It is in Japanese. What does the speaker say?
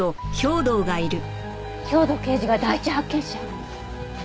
兵藤刑事が第一発見者？